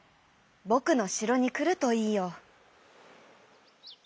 ぼくのしろにくるといいよ」。